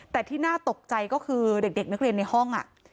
แต่ที่น่าตกใจก็คือเด็กนักเรียนในห้อง